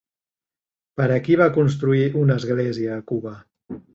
Per a qui va construir una església a Cuba?